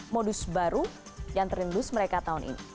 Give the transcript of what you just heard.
modus baru yang terindus mereka tahun ini